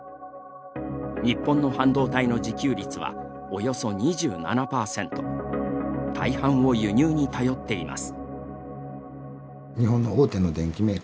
日本の半導体の自給率はおよそ２７％大半を輸入に頼っています。